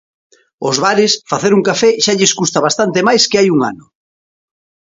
Aos bares, facer un café xa lles custa bastante máis que hai un ano.